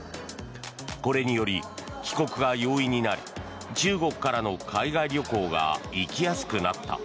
これにより、帰国が容易になり中国からの海外旅行が行きやすくなった。